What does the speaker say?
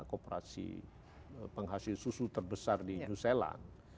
kooperasi penghasil susu terbesar di yusseland